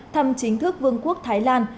thăm chính thức vương quốc thái lan